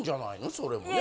それもね。